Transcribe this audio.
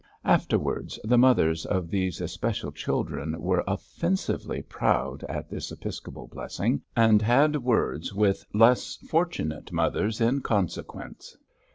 Afterwards, the mothers of those especial children were offensively proud at this episcopal blessing, and had 'words' with less fortunate mothers in consequence.